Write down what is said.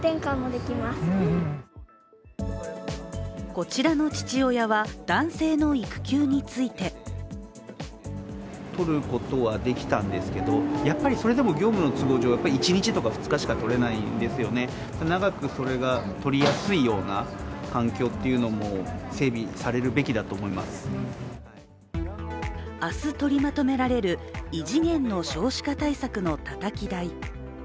こちらの父親は、男性の育休について明日、取りまとめられる異次元の少子化対策のたたき台。